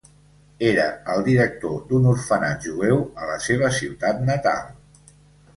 Era el director d'un orfenat jueu a la seva ciutat natal.